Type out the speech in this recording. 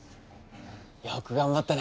よく頑張ったね。